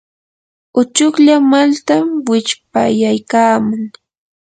uchuklla malta wichyapaykaaman.